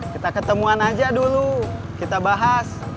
kita ketemuan aja dulu kita bahas